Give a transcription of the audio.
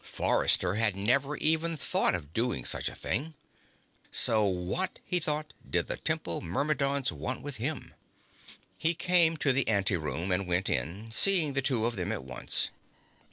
Forrester had never even thought of doing such a thing. So what, he thought, did the Temple Myrmidons want with him? He came to the anteroom and went in, seeing the two of them at once.